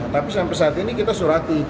tapi sampai saat ini kita surati